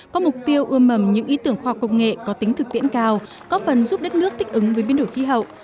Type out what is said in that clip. có mục tiêu ưa mầm những ý tưởng khoa học công nghệ có tính thực tiễn cao góp phần giúp đất nước thích ứng với biến đổi khí hậu